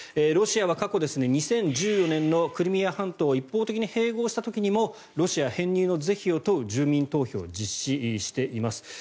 ロシアは過去、２０１４年にクリミア半島を一方的に併合した時にもロシア編入の是非を問う住民投票を実施しています。